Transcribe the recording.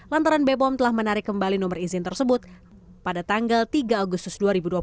lantaran bepom telah menarik kembali nomor izin tersebut pada tanggal tiga agustus dua ribu dua puluh